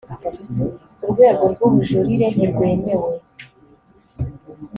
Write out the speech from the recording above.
urwego rw ubujurire ntirwemewe